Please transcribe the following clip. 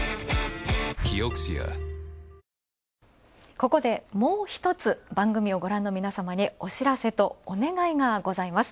ここで、もう一つ、番組をご覧の皆様にお知らせとお願いがございます。